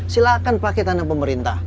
silahkan pakai tanah pemerintah